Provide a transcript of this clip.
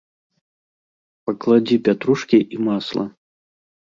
Пакладзі пятрушкі і масла.